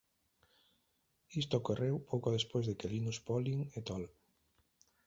Isto ocorreu pouco despois de que Linus Pauling et al.